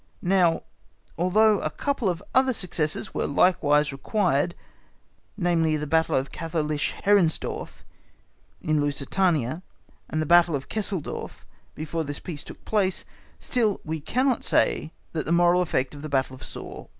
Now although a couple of other successes were likewise required, namely, the battle at Katholisch Hennersdorf, in Lusatia, and the battle of Kesseldorf, before this peace took place, still we cannot say that the moral effect of the battle of Soor was nil.